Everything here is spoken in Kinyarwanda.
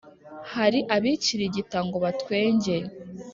Hari abikirigita ngo batwenge,